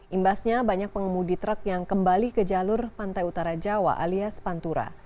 imbasnya banyak pengemudi truk yang kembali ke jalur pantai utara jawa alias pantura